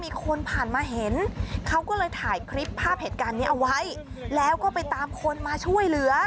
มีคนผ่านมาเห็นเขาก็เลยถ่ายคลิปภาพเหตุการณ์นี้เอาไว้แล้วก็ไปตามคนมาช่วยเหลือ